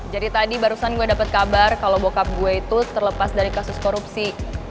jadi tadi barusan gue dapet kabar kalo bokap gue itu terlepas dari kasus korupsi